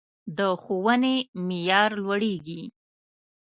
د ښوونې معیار لوړیږي